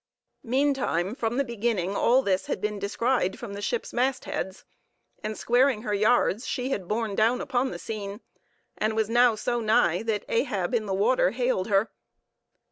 Meantime, from the beginning all this had been descried from the ship's mastheads; and squaring her yards, she had borne down upon the scene, and was now so nigh that Ahab in the water hailed her.